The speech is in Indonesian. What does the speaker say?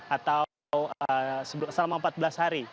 atau selama empat belas hari